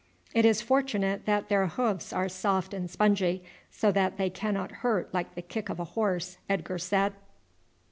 "It is fortunate that their hoofs are soft and spongy, so that they cannot hurt like the kick of a horse," Edgar said.